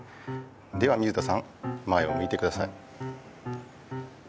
では水田さん前をむいてください。